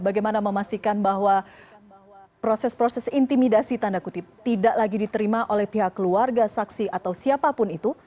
bagaimana memastikan bahwa proses proses intimidasi tanda kutip tidak lagi diterima oleh pihak keluarga saksi atau siapapun itu